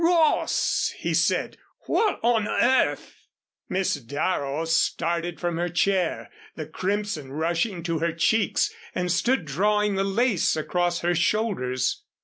"Ross!" he said, "what on earth " Miss Darrow started from her chair, the crimson rushing to her cheeks, and stood drawing the lace across her shoulders.